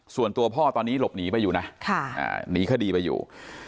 ส่วนตัวพ่อตอนนี้หลบหนีไปอยู่นะหนีคดีไปอยู่